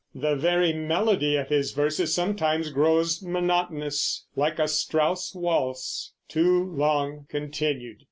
The very melody of his verses sometimes grows monotonous, like a Strauss waltz too long continued.